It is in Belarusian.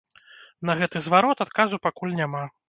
На гэты зварот адказу пакуль няма.